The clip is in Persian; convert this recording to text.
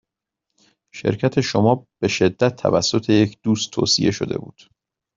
شرکت شما به شدت توسط یک دوست توصیه شده بود.